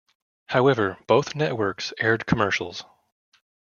However, both networks aired commercials.